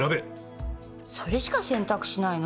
それしか選択肢ないの？